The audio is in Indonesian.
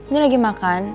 nih lagi makan